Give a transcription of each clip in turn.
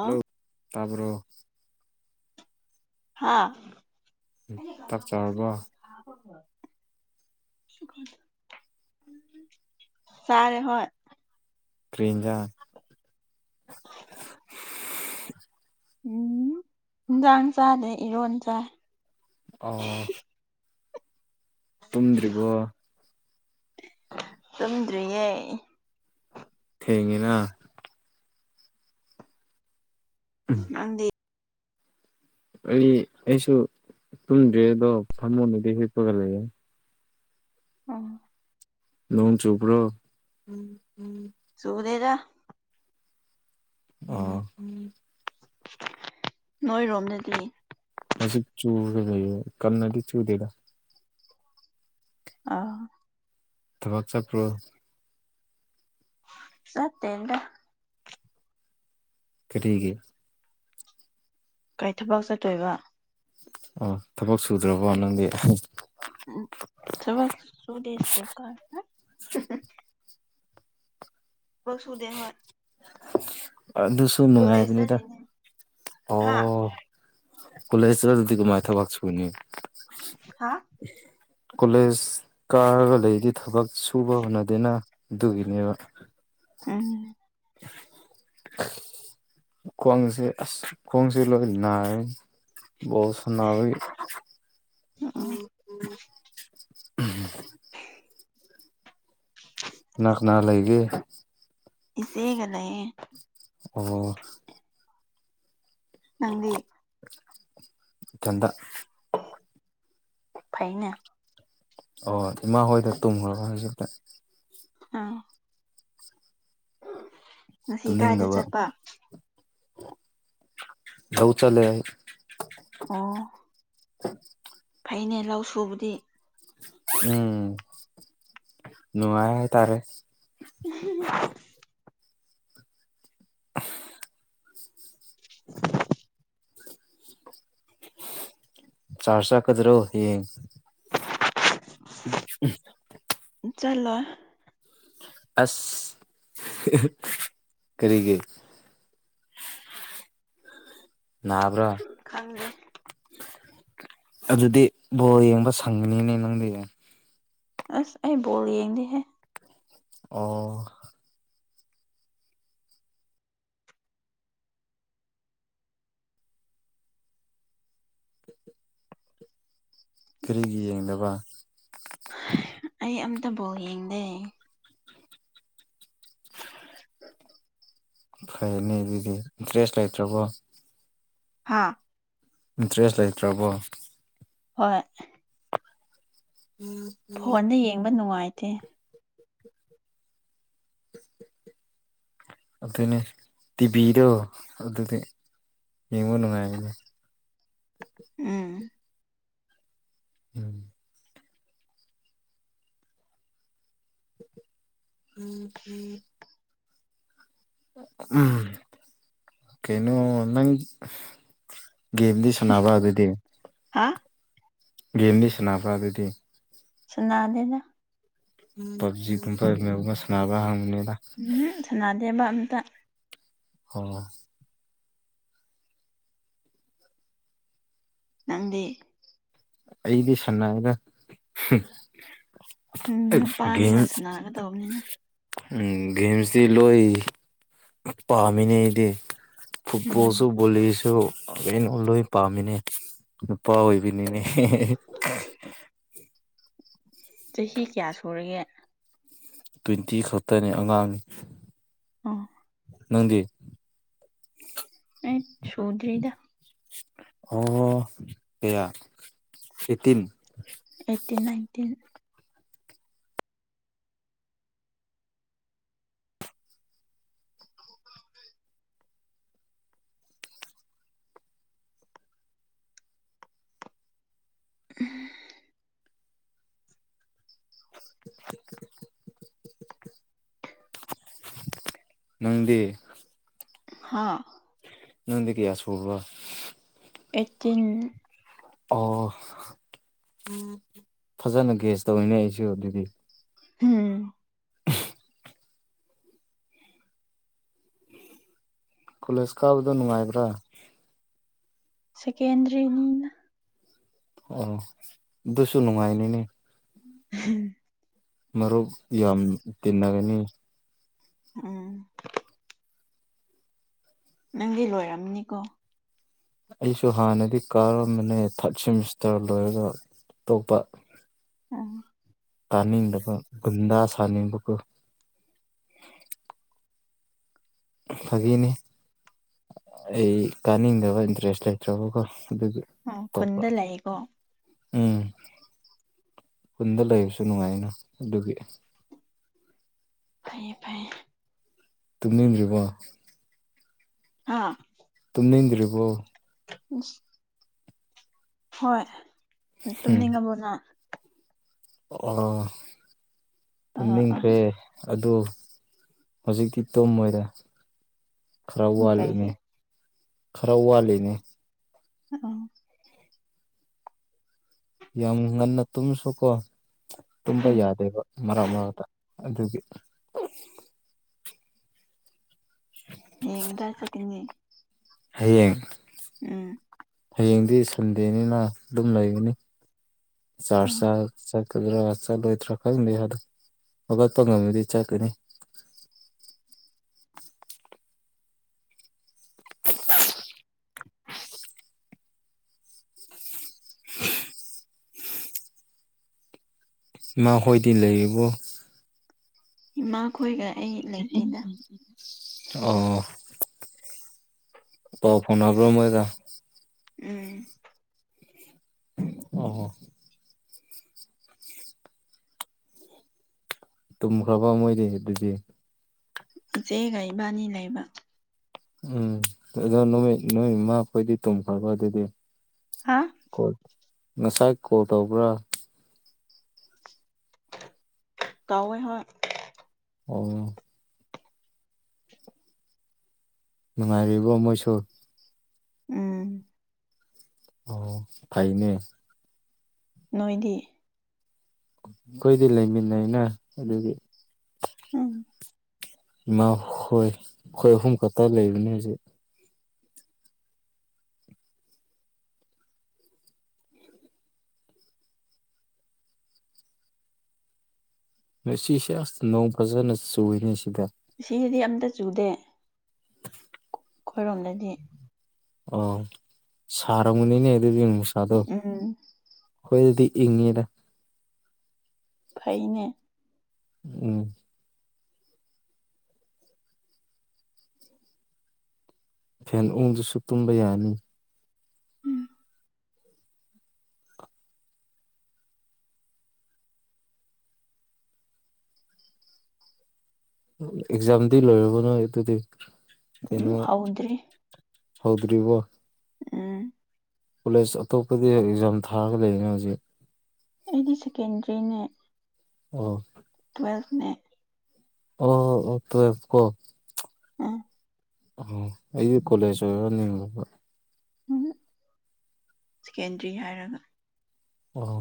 Hello ꯇꯥꯕꯔꯣ ꯍꯥꯥ ꯆꯥꯛ ꯆꯥꯔꯕꯣ [inaudible] ꯇꯥꯔꯦ ꯍꯣꯏ ꯀꯔꯤ ꯏꯟꯖꯥꯡ [inaudible] ꯎꯝ ꯏꯟꯖꯥꯡ ꯆꯥꯗꯦ ꯏꯔꯣꯟ ꯆꯥꯏ ꯑꯣ ꯇꯨꯝꯗ꯭ꯔꯤꯕꯣ ꯇꯨꯝꯗ꯭ꯔꯤꯌꯦ ꯊꯦꯡꯉꯤꯅ ꯅꯪꯗꯤ ꯑꯩ ꯑꯩꯁꯨ ꯇꯨꯝꯗ꯭ꯔꯤ ꯑꯗꯣ ꯐꯃꯨꯡꯗꯗꯤ ꯍꯤꯠꯄꯒ ꯂꯩꯌꯦ ꯑꯣ ꯅꯣꯡ ꯆꯨꯕ꯭ꯔꯣ ꯆꯨꯗꯦꯗ ꯑꯣ ꯅꯣꯏꯔꯣꯝꯗꯗꯤ ꯍꯧꯖꯤꯛ ꯆꯨꯒ ꯂꯩꯔꯦ ꯀꯟꯅꯗꯤ ꯆꯨꯗꯦꯗ ꯑꯣ ꯊꯕꯛ ꯆꯠꯄ꯭ꯔꯣ ꯆꯥꯇꯦꯅꯗꯥ ꯀꯔꯤꯒꯤ ꯀꯩ ꯊꯕꯛ ꯆꯠꯇꯣꯏꯕ ꯑꯣ ꯊꯕꯛ ꯁꯨꯗ꯭ꯔꯕꯣ ꯅꯪꯗꯤ ꯎꯝ ꯊꯕꯛ ꯁꯨꯗꯦ ꯁ꯭ꯀꯨꯜ ꯀꯥꯢ ꯕꯛꯁꯨꯨꯗꯦ ꯍꯣꯏ ꯑꯗꯨꯁꯨ ꯀꯣꯂꯦꯖ ꯅꯨꯡꯉꯥꯏꯕꯅꯤꯗ ꯆꯠꯂꯤꯅꯦ ꯍꯥ ꯑꯣ ꯀꯣꯂꯦꯖ ꯆꯠꯂꯗꯤ ꯀꯃꯥꯏꯅ ꯊꯕꯛꯁꯨꯅꯤ ꯍꯥꯥ ꯀꯣꯂꯦꯖ ꯀꯥꯔꯒ ꯂꯩꯗꯤ ꯊꯕꯛ ꯁꯨꯕ ꯍꯣꯅꯗꯦꯅ ꯗꯨꯒꯤꯅꯦꯕꯥ ꯎꯝ [unintelligible] ꯈꯋ꯭ꯥꯡꯁꯦ ꯑꯁ ꯈꯣꯡꯁꯦ ꯂꯣꯢ ꯅꯥꯏꯌꯦ ꯕꯣꯜ ꯁꯅꯕꯒꯤ [unintelligible] ꯀꯅ ꯀꯅ ꯂꯩꯒꯦ ꯏꯆꯦꯒ ꯂꯩꯌꯦ ꯑꯣ ꯅꯪꯗꯤ ꯏꯊꯟꯗ ꯐꯩꯅꯦ ꯑꯣ ꯏꯃꯥ ꯍꯣꯏꯗ ꯇꯨꯝꯒꯔꯕ ꯍꯧꯖꯤꯛꯇꯤ ꯑꯥ [unintelligible] ꯀꯥꯏꯗ ꯇꯨꯝꯅꯤꯡꯗꯕ ꯆꯠꯄ ꯊꯕꯛ ꯆꯠꯂꯦ ꯑꯩ ꯑꯣ ꯐꯩꯅꯦ ꯂꯧ ꯁꯨꯕꯗꯤ ꯎꯝ ꯅꯨꯡꯉꯥꯏ ꯍꯥꯏꯇꯔꯦ [unintelligible] [unintelligible] ꯆꯔꯁ ꯆꯠꯀꯗ꯭ꯔꯣ ꯍꯥꯌꯦꯡ [unintelligible] ꯎꯝ ꯆꯂꯣꯏ ꯑꯁ ꯀꯔꯤꯒꯤ ꯅꯕ꯭ꯔꯥ ꯈꯪꯗꯦ ꯑꯗꯨꯗꯤ ꯕꯣꯜ ꯌꯦꯡꯕ ꯁꯪꯒꯅꯤꯅꯦ ꯅꯪꯗꯤ ꯑꯁ ꯑꯩ ꯕꯣꯜ ꯌꯦꯡꯗꯦ ꯍꯦ ꯑꯣ ꯀꯔꯤꯒꯤ ꯌꯦꯡꯗꯕ ꯑꯩ ꯑꯝꯇ ꯕꯣꯜ ꯌꯦꯡꯗꯦ [unintelligible] ꯐꯩꯅꯦ ꯑꯗꯨꯗꯤ ꯗ꯭ꯔꯦꯁ ꯂꯩꯇ꯭ꯔꯕꯣ ꯍꯥꯥ ꯗ꯭ꯔꯦꯁ ꯂꯩꯇ꯭ꯔꯕꯣ ꯍꯣꯏ ꯎꯝ ꯐꯣꯟꯗ ꯌꯦꯡꯕ ꯅꯨꯡꯉꯥꯏꯇꯦ [inaudible] ꯑꯗꯨꯅꯦ ꯇꯤꯕꯤꯔꯣ ꯑꯗꯨꯗꯤ ꯌꯦꯡꯕꯣ ꯅꯨꯡꯉꯥꯏꯕꯅꯦ ꯎꯝ [inaudible] ꯎꯝ ꯎꯝ ꯀꯩꯅꯣ ꯅꯪ ꯒꯦꯝꯗꯤ ꯁꯥꯟꯅꯕꯔꯥ ꯑꯗꯨꯗꯤ ꯍꯥ ꯒꯦꯝꯗꯤ ꯁꯥꯟꯅꯕ꯭ꯔꯥ ꯑꯗꯨꯗꯤ ꯁꯥꯟꯅꯥꯗꯦꯗ ꯐꯞꯖꯤ ꯒꯨꯝꯕ ꯁꯥꯟꯅꯥꯕꯔꯥ ꯅꯪꯕꯅꯤꯗ ꯎꯝ ꯁꯅꯥꯗꯦꯕ ꯑꯝꯇ ꯍꯣꯢ ꯅꯪꯗꯤ ꯑꯩꯗꯤ ꯁꯅꯩꯗ ꯎꯝ ꯅꯨꯄꯥꯅꯤꯅ ꯁꯟꯅꯥꯒꯗꯧꯅꯤꯅꯦ ꯎꯝ ꯒꯦꯝꯁꯇꯤ ꯂꯣꯏ ꯄꯥꯝꯃꯤꯅꯦ ꯑꯩꯗꯤ ꯎꯝ ꯐꯨꯠꯕꯣꯜꯁꯨ ꯕꯣꯂꯤꯁꯨ ꯑꯩꯅ ꯂꯣꯏ ꯄꯥꯝꯃꯤꯅꯦ ꯅꯨꯄꯥ ꯑꯣꯏꯕꯅꯤꯅꯦ [unintelligible] ꯆꯍꯤ ꯀꯌꯥ ꯁꯨꯔꯒꯦ ꯇ꯭ꯋꯦꯟꯇꯤ ꯈꯛꯇꯅꯤ ꯑꯉꯥꯡꯅꯤ ꯑꯥ ꯅꯪꯗꯤ ꯑꯩ ꯁꯨꯗꯔꯤꯗ ꯑꯣ ꯀꯌꯥ ꯑꯩꯠꯇꯤꯟ ꯑꯩꯠꯇꯤꯟ ꯅꯥꯏꯟꯇꯤꯟ [unintelligible] [inaudible] ꯅꯪꯗꯤ ꯍꯥꯥ ꯅꯪꯗꯤ ꯀꯌꯥ ꯁꯨꯕꯔꯥ ꯑꯩꯠꯇꯤꯟ ꯑꯣ ꯐꯖꯅ ꯒꯦꯁ ꯇꯧꯔꯤꯅꯦ ꯑꯩꯁꯨ ꯑꯗꯨꯗꯤ [unintelligible] ꯀꯣꯂꯦꯁ ꯀꯥꯕꯗꯣ ꯅꯨꯡꯉꯥꯏꯕ꯭ꯔꯥ ꯁꯦꯀꯦꯟꯗꯔꯤꯅꯤꯅ ꯑꯣ ꯑꯗꯨꯁꯨ ꯅꯨꯡꯉꯥꯏꯇ꯭ꯔꯤꯅꯤꯅꯦ [unintelligible] ꯃꯔꯨꯞ ꯌꯥꯝ ꯇꯤꯟꯅꯒꯅꯤ ꯎꯝ ꯅꯪꯗꯤ ꯂꯣꯏꯔꯝꯅꯤꯀꯣ ꯑꯩꯁꯨ ꯍꯥꯟꯅꯗꯤ ꯀꯥꯔꯝꯕꯅꯦ ꯊꯥꯔꯠ ꯁꯦꯃꯤꯁꯇꯔ ꯂꯣꯏꯔꯒ ꯇꯣꯛꯄ ꯎꯝ ꯇꯥꯅꯤꯡꯗꯕ ꯒꯨꯟꯗꯥ ꯁꯥꯅꯤꯡꯕꯕꯨ ꯐꯥꯒꯤꯅꯤ ꯑꯩ ꯀꯥꯅꯤꯡꯗꯕ ꯏꯟꯇꯔꯦꯁ ꯂꯩꯇ꯭ꯔꯕꯀꯣ ꯑꯗꯨꯒꯤ ꯅꯪ ꯑꯇꯣꯞꯄ ꯈꯨꯟꯗ ꯂꯥꯛꯏꯀꯣ ꯎꯝ ꯈꯨꯟꯗ ꯂꯩꯕꯁꯨ ꯅꯨꯡꯉꯥꯏꯅ ꯑꯗꯨꯒꯤ ꯐꯩꯌꯦ ꯐꯩꯌꯦ ꯇꯨꯝꯅꯤꯡꯗ꯭ꯔꯤꯕꯣ ꯍꯥꯥ ꯇꯨꯝꯅꯤꯡꯗ꯭ꯔꯤꯕꯣ ꯎꯁ꯫ ꯍꯣꯏ ꯅꯥ ꯎꯝ ꯇꯨꯝꯅꯤꯡꯉꯕꯣꯅꯪ꯫ ꯑꯣ ꯑꯥ ꯑꯥ ꯇꯨꯝꯅꯤꯡꯈ꯭ꯔꯦ꯫ ꯑꯗꯨ ꯍꯧꯖꯤꯛꯇꯤ ꯇꯨꯝꯃꯣꯏꯗ ꯈꯔ ꯋꯥꯠꯂꯤꯌꯦ꯫ ꯀꯩꯒꯤ ꯈꯔ ꯋꯥꯠꯂꯤꯅꯦ꯫ ꯑ ꯑꯣ꯫ ꯌꯥꯝ ꯉꯟꯅ ꯇꯨꯝꯃꯥꯁꯨꯀꯣ ꯇꯨꯝꯕ ꯎꯝ ꯌꯥꯗꯦꯕ ꯃꯔꯛ ꯃꯔꯛꯇ꯫ ꯑꯗꯨꯒꯤ꯫ [unintelligible] ꯍꯌꯦꯡ ꯀꯗꯥꯏ ꯆꯠꯀꯅꯤ꯫ ꯍꯌꯦꯡ꯫ ꯎꯝ꯫ ꯍꯌꯦꯡꯗꯤ ꯁꯟꯗꯦꯅꯤꯅ ꯑꯗꯨꯝ ꯂꯩꯒꯅꯤ ꯆꯔꯁ ꯆꯔ ꯆꯠ꯫ ꯀꯔꯤꯔꯥ ꯆꯠꯂꯣꯏꯗ꯭ꯔꯥ ꯈꯪꯗꯦ ꯑꯗꯣ ꯍꯧꯒꯠꯄ ꯉꯝꯃꯗꯤ ꯆꯠꯀꯅꯤ꯫ ꯏꯃꯥ ꯍꯣꯏꯗꯤ ꯂꯩꯔꯤꯕꯣ꯫ ꯏꯃꯥ ꯈꯣꯏꯒ ꯑꯩ ꯂꯩꯇꯦꯗ꯫ ꯑꯣ꯫ ꯄꯥꯎ ꯐꯥꯎꯅꯕ꯭ꯔꯣ ꯃꯣꯏꯒ꯫ ꯎꯝ꯫ ꯑꯣ꯫ ꯇꯨꯝꯈ꯭ꯔꯕꯣ ꯃꯣꯏꯗꯤ ꯑꯗꯨꯗꯤ꯫ ꯏꯆꯦꯒ ꯏꯕꯥꯅꯤ ꯂꯩꯕ꯫ ꯎꯝ ꯑꯗꯣ ꯅꯣꯍꯣꯏ ꯅꯣꯏ ꯏꯃꯥꯈꯣꯏꯗꯤ ꯇꯨꯝꯈ꯭ꯔꯕ ꯑꯗꯨꯗꯤ꯫ ꯍꯥ꯫ ꯀꯣꯜ ꯉꯁꯥꯏ ꯀꯣꯜ ꯇꯧꯕ꯭ꯔꯥ꯫ ꯇꯧꯋꯦ ꯍꯣꯏ꯫ ꯑꯣ꯫ ꯅꯨꯡꯉꯥꯏꯔꯤꯕꯣ ꯃꯣꯏꯁꯨ꯫ ꯎꯝ꯫ ꯑꯣ ꯐꯩꯅꯦ꯫ ꯅꯣꯏꯗꯤ꯫ ꯑꯩꯈꯣꯏꯗꯤ ꯂꯩꯃꯤꯟꯅꯩꯩꯅ ꯑꯗꯨꯒꯤ꯫ ꯎꯝ꯫ ꯏꯃꯥ ꯍꯣꯏ ꯈꯣꯏ ꯑꯍꯨꯝ ꯈꯛꯇ ꯂꯩꯕꯅꯦꯖꯨ꯫ ꯉꯁꯤꯁꯦ ꯑꯁ ꯅꯣꯡ ꯐꯖꯅ ꯆꯨꯏꯅꯦ ꯁꯤꯗ꯫ ꯁꯤꯗꯗꯤ ꯑꯝꯇ ꯆꯨꯗꯦ ꯈꯣ ꯈꯣꯏꯔꯣꯝꯗꯗꯤ꯫ ꯑꯣ ꯁꯔꯝꯒꯅꯤꯅꯦ ꯑꯗꯨꯗꯤ ꯅꯨꯡꯁꯥꯗꯣ꯫ ꯎꯝ ꯈꯣꯏꯗꯗꯤ ꯏꯪꯉꯦꯗ꯫ ꯐꯩꯅꯦ꯫ ꯎꯝ꯫ ꯐꯦꯟ ꯎꯡꯗꯁꯨ ꯇꯨꯝꯕ ꯌꯥꯅꯤ꯫ ꯎꯝ ꯑꯦꯛꯖꯥꯝꯗꯤ ꯂꯣꯏꯔꯕꯣꯅꯣꯏ ꯑꯗꯨꯗꯤ ꯀꯩꯅꯣ꯫ ꯍꯧꯗ꯭ꯔꯤ ꯍꯧꯗ꯭ꯔꯤꯕꯣ꯫ ꯎꯝ꯫ ꯀꯣꯂꯦꯖ ꯑꯇꯣꯞꯄꯗꯤ ꯑꯦꯛꯖꯥꯝ ꯊꯥꯔꯒ ꯂꯩꯔꯤꯅꯦ ꯍꯧꯖꯤꯛ꯫ ꯑꯩꯗꯤ ꯁꯦꯀꯦꯟꯗ꯭ꯔꯤꯅꯦ꯫ ꯑꯣ꯫ ꯇ꯭ꯋꯦꯜꯕꯅꯦ꯫ ꯑꯣ ꯑꯣ ꯇ꯭ꯋꯦꯜꯕ ꯀꯣ꯫ ꯎꯝ꯫ ꯑꯣ ꯑꯩꯗꯤ ꯀꯣꯂꯦꯖ ꯑꯣꯏꯔ ꯅꯤꯡꯕꯕ ꯎꯝ ꯁꯦꯀꯦꯟꯗ꯭ꯔꯤ ꯍꯥꯏꯔꯒ ꯑꯣ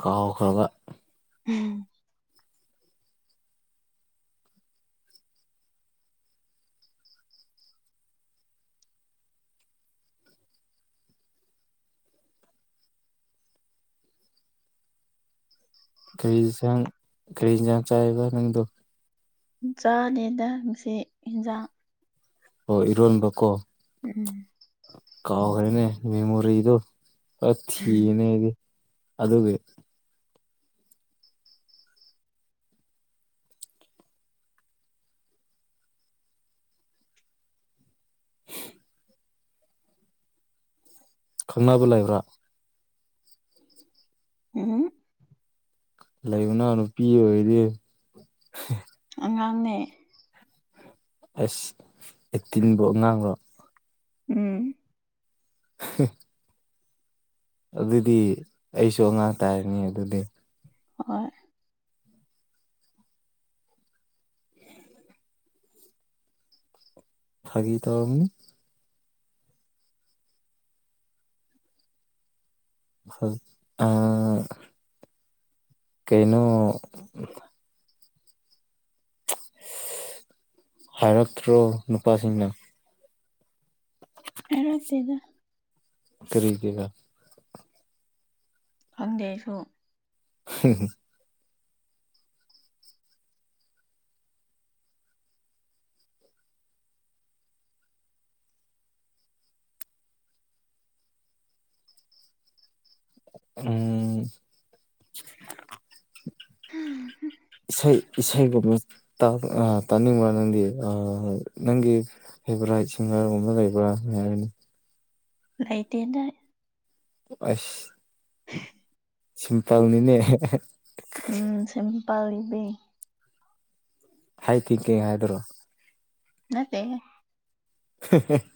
ꯀꯥꯎꯈ꯭ꯔꯕ ꯎꯝ ꯀꯔꯤ ꯌꯦꯟꯁꯥꯡ ꯀꯔꯤ ꯌꯦꯟꯁꯥꯡ ꯆꯥꯏꯕ ꯅꯪꯗꯣ ꯆꯥꯗꯦꯗ ꯉꯁꯤ ꯍꯦꯟꯖꯥꯡ ꯑꯣ ꯏꯔꯣꯟꯕ ꯀꯣ ꯎꯝ ꯀꯥꯎ꯭ꯔꯦꯅꯦ ꯃꯦꯃꯣꯔꯤꯗꯨ ꯑ ꯊꯤꯕꯅꯦ ꯑꯩꯗꯤ ꯑꯗꯨꯒꯤ ꯈꯪꯅꯕ ꯂꯩꯕ꯭ꯔꯥ ꯎꯝꯍꯝ ꯂꯩꯌꯨꯅ ꯅꯨꯄꯤ ꯑꯣꯏꯗꯤ ꯑꯉꯥꯡꯅꯦ ꯑꯁ ꯑꯦꯠꯇꯤꯟꯕꯨ ꯑꯉꯥꯡꯔꯣ ꯎꯝ ꯍ ꯑꯗꯨꯗꯤ ꯑꯩꯁꯨ ꯑꯉꯥꯡ ꯇꯥꯔꯅꯤ ꯑꯗꯨꯗꯤ ꯍꯣꯏ ꯐꯥꯒꯤ ꯇꯧꯕꯅꯤ ꯍ ꯑ ꯀꯩꯅꯣ ꯍꯥꯏꯔꯛꯇ꯭ꯔꯣ ꯅꯨꯄꯥꯁꯤꯡꯅ ꯍꯥꯏꯔꯛꯇꯦꯗ ꯀꯔꯤꯒꯤꯔꯥ ꯈꯪꯗꯦ ꯑꯩꯁꯨ ꯍ [unintelligible] ꯎꯝ [unintelligible] ꯏꯁꯩ ꯏꯁꯩꯒꯨꯝꯕ ꯇꯥꯅꯤꯡꯕ꯭ꯔꯥ ꯅꯪꯗꯤ ꯑꯥ ꯅꯪꯒꯤ ꯐꯦꯕ꯭ꯔꯥꯏꯠ ꯁꯤꯡꯒꯔꯒꯨꯝꯕ ꯂꯩꯕ꯭ꯔꯥ [inaudible] ꯂꯩꯥꯇꯦꯗ ꯑꯁ [unintelligible] ꯁꯤꯝꯄꯜꯅꯤꯅꯦ ꯎꯝ ꯁꯤꯝꯄꯜ ꯂꯤꯕꯤꯡ ꯍꯥꯏ ꯊꯤꯡꯀꯤꯡ ꯍꯥꯏꯗꯨꯔꯣ ꯅꯠꯇꯦꯍꯦ [unintelligible]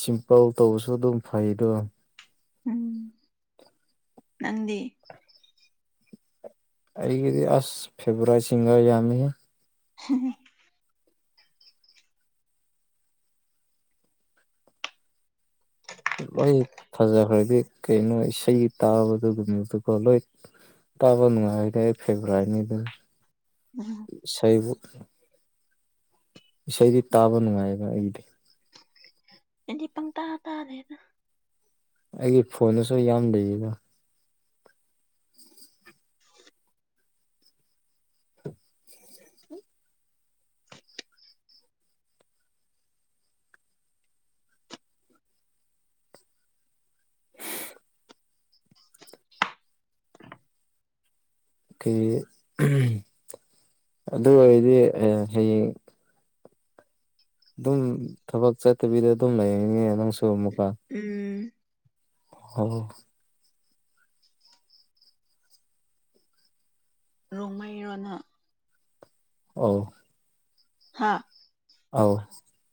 ꯁꯤꯝꯄꯜ ꯇꯧꯕꯁꯨ ꯑꯗꯨꯝ ꯐꯩꯗꯣ ꯎꯝ ꯅꯪꯗꯤ ꯑꯩꯒꯤꯗꯤ ꯑꯁ ꯐꯦꯕꯣꯔꯥꯏ ꯁꯤꯡꯒꯔ ꯌꯥꯝꯃꯤꯍꯦ [unintelligible] ꯂꯣꯏ ꯐꯖꯈ꯭ꯔꯗꯤ ꯀꯩꯅꯣ ꯏꯁꯩ ꯇꯥꯕꯗꯨꯨꯒꯨꯝꯕꯗꯨꯀꯣ ꯂꯣꯏ ꯇꯥꯕ ꯅꯨꯉꯥꯏꯔꯗꯤ ꯑꯩ ꯐꯦꯕꯣꯔꯥꯏꯠꯅꯤ ꯑꯗꯣ ꯎꯝ ꯏꯁꯩꯕꯨ ꯏꯁꯩꯗꯤ ꯇꯥꯕ ꯅꯨꯉꯥꯏꯑꯕ ꯑꯩꯗꯤ ꯑꯩꯗꯤ ꯄꯪꯇꯥ ꯇꯥꯔꯦꯗ ꯑꯩꯒꯤ ꯐꯣꯟꯗꯁꯨ ꯌꯥꯝ ꯂꯩꯌꯦꯗ [unintelligible] ꯑꯗꯨ ꯑꯣꯏꯗꯤ ꯑꯦ ꯍꯌꯦꯡ ꯗꯨꯝ ꯊꯕꯛ ꯆꯠꯇꯕꯤꯗ ꯗꯨꯝ [unintelligible] ꯅꯪꯁꯨ ꯑꯃꯨꯛꯀ ꯎꯝ ꯑꯣ ꯔꯣꯡꯃꯩꯔꯣ ꯅ ꯑꯧ ꯍꯥꯥ ꯑꯧ